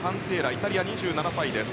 イタリア、２７歳です。